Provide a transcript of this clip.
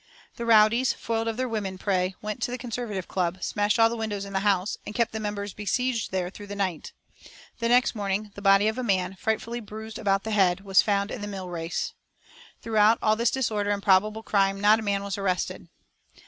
The rowdies, foiled of their woman prey, went to the Conservative Club, smashed all the windows in the house, and kept the members besieged there through the night. The next morning the body of a man, frightfully bruised about the head, was found in the mill race. Throughout all this disorder and probable crime, not a man was arrested.